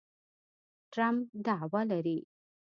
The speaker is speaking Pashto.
ټرمپ دعوه لري